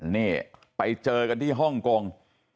นี่ไปเจอกันที่ฮ่องกง